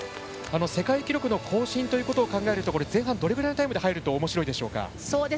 世界記録の更新ということを考えると前半、どれぐらいのタイムで入るとおもしろいでしょう。